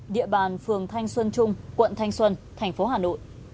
địa bàn phường thanh xuân trung quận thanh xuân thành phố hà nội